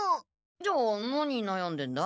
じゃあ何なやんでんだ？